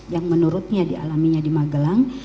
yang menurutnya dialaminya di magelang